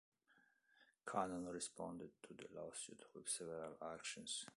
Canon responded to the lawsuit with several actions.